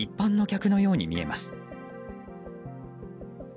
まるで一般の客のように見えます。